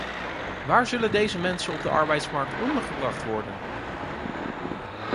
Waar zullen deze mensen op de arbeidsmarkt ondergebracht worden?